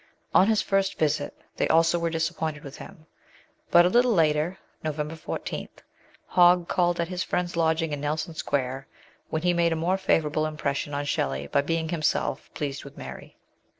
On his first visit they also were disappointed with him ; but a little later (November 14) Hogg called at his friend's lodging in Nelson Square, when he made a more favourable impression on Shelley by being himself pleased with Mary.